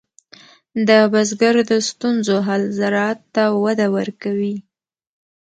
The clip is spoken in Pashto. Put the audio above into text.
د بزګر د ستونزو حل زراعت ته وده ورکوي.